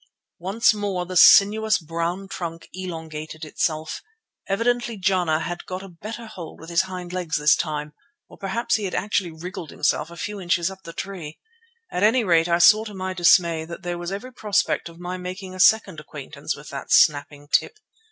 Once more the sinuous brown trunk elongated itself. Evidently Jana had got a better hold with his hind legs this time, or perhaps had actually wriggled himself a few inches up the tree. At any rate I saw to my dismay that there was every prospect of my making a second acquaintance with that snapping tip.